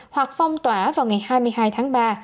hoặc phong tỏa vào ngày hai mươi hai tháng ba